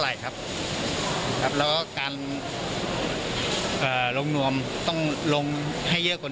ครับครับแล้วก็การเอ่อลงนวมต้องลงให้เยอะกว่า